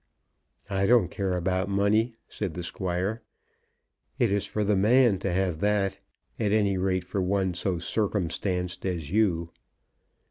"I don't care about money," said the Squire. "It is for the man to have that; at any rate for one so circumstanced as you."